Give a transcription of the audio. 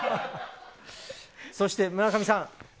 そして、村上さん。